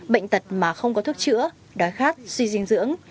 bệnh tật mà không có thuốc chữa đói khát suy dinh dưỡng